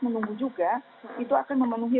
menunggu juga itu akan memenuhi